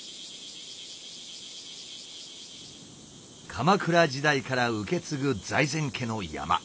鎌倉時代から受け継ぐ財前家の山。